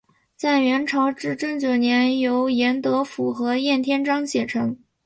在元朝至正九年由严德甫和晏天章写成。